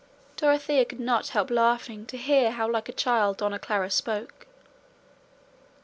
Dorothea could not help laughing to hear how like a child Dona Clara spoke.